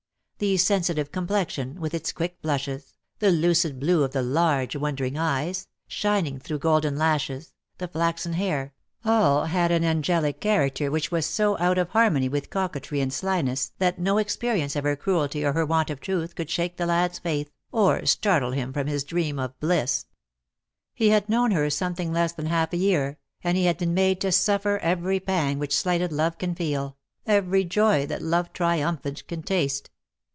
The sensitive complexion, with its quick blushes, the lucid blue of the large wondering eyes, shining through golden lashes, the flaxen hair, all had an angelic character which was so out of harmony with coquetry and slyness that no experience of her cruelty or her want of truth could shake the lad's faith, or startle him from his dream of bliss. Dead Love has Chains. 5 66 DEAD LOVE HAS CHAINS, He had known her something less than half a year, and he had been made to suffer every pang which sHghted love can feel, every joy that love triumphant can taste.